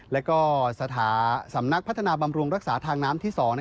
และสถาสำนักพัฒนาบำรุงรักษาทางน้ำ